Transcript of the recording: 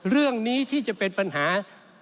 เรื่องนี้ที่จะเป็นปัญหา